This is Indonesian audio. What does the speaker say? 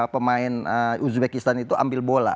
pemain uzbekistan itu ambil bola